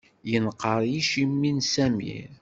Yenqer yiciwi n Samir.